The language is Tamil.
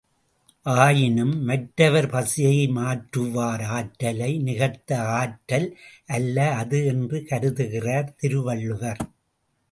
ஆயினும், மற்றவர் பசியை மாற்றுவார் ஆற்றலை நிகர்த்த ஆற்றல் அல்ல அது என்று கருதுகிறார் திருவள்ளுவர்.